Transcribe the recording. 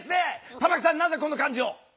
玉木さん、なぜこの漢字を？